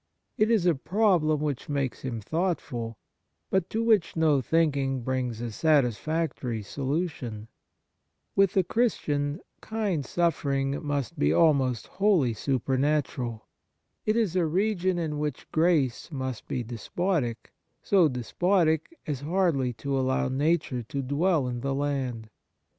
It is a problem which makes him thoughtful, but to which no thinking brings a satisfactory solution. With the Christian kind sufferino: must be almost Kuid Actions 103 wholly supernatural. It is a region in which grace must be despotic, so despotic as hardly to allow nature to dwell in the land.